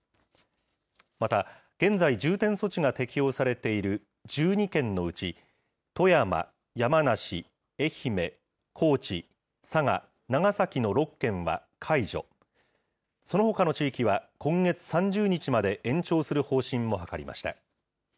また、現在重点措置が適用されている１２県のうち、富山、山梨、愛媛、高知、佐賀、長崎の６県は解除、そのほかの地域は今月３０日まで延長する方針も諮りました。